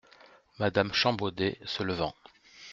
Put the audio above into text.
Madame Champbaudet , se levant.